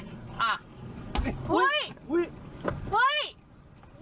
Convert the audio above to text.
หว่อยหว่อยยหว่อยย